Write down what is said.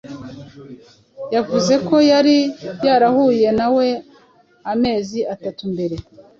Yavuze ko yari yarahuye nawe amezi atatu mbere.